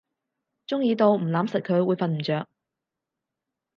中意到唔攬實佢會瞓唔著